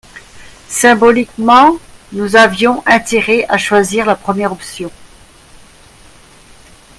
Symboliquement, nous avions intérêt à choisir la première option.